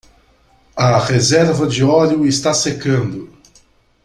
A reserva de óleo está secando.